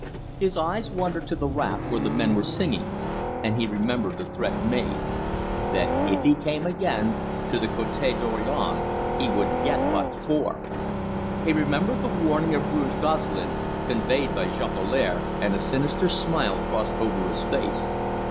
His eyes wandered to the raft where the men were singing, and he remembered the threat made: that if he came again to the Cote Dorion he "would get what for!" He remembered the warning of Rouge Gosselin conveyed by Jolicoeur, and a sinister smile crossed over his face.